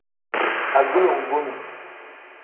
Agulonguni.